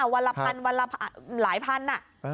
วันละพันธุ์วันละพันธุ์หลายพันธุ์น่ะ